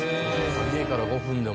家から５分でも。